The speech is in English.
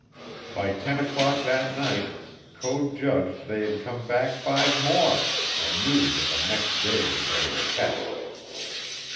By ten o'clock that night Code judged they had come back five more, and knew that the next day would bring the test.